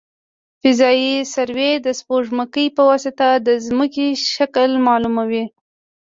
فضايي سروې د سپوږمکۍ په واسطه د ځمکې شکل معلوموي